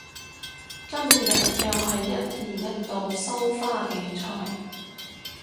今日又係一年一度收花競賽